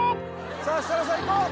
さあ設楽さんいこう！